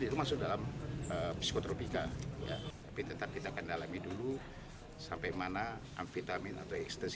itu masuk dalam psikotropika tetapi kita akan dalami dulu sampai mana amfetamin atau ekstasi